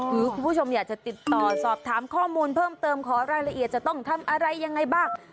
คุณผู้ชมอยากจะติดต่อสอบถามข้อมูลเพิ่มเติมขอรายละเอียดจะต้องทำอะไรยังไงบ้าง